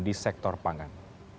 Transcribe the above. di sektor pangan